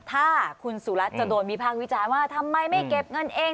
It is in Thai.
ถ้าคุณสุรัตน์จะโดนวิพากษ์วิจารณ์ว่าทำไมไม่เก็บเงินเอง